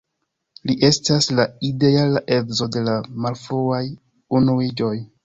Li estas la ideala edzo de la malfruaj unuiĝoj.